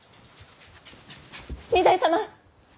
御台様！